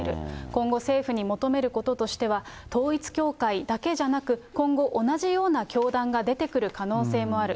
今後、政府に求めることとしては、統一教会だけじゃなく、今後、同じような教団が出てくる可能性もある。